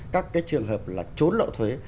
các cái trường hợp là trốn lậu thuế